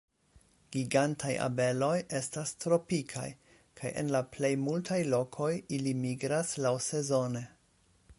Gigantaj abeloj estas tropikaj kaj en la plej multaj lokoj ili migras laŭsezone.